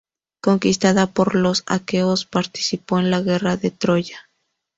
Conquistada por los aqueos, participó en la guerra de Troya.